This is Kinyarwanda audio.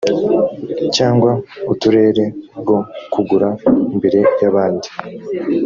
cyangwa uturere bwo kugura mbere y abandi